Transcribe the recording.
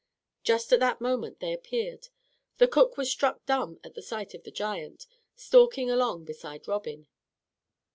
Just at that moment they appeared. The cook was struck dumb at the sight of the giant, stalking along beside Robin.